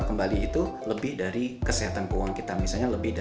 di bulan bulan berikutnya ada gak pengeluaran besar yang akan terjadi